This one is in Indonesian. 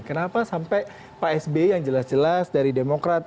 kenapa sampai pak sby yang jelas jelas dari demokrat